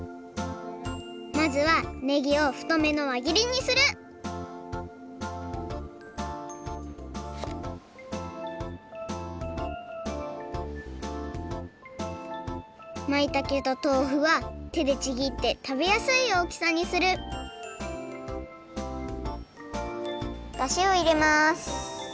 まずはネギをふとめのわぎりにするまいたけととうふはてでちぎってたべやすいおおきさにするだしをいれます！